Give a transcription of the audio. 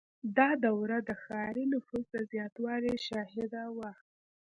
• دا دوره د ښاري نفوس د زیاتوالي شاهده وه.